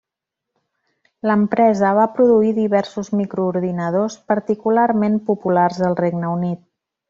L'empresa va produir diversos microordinadors particularment populars al Regne Unit.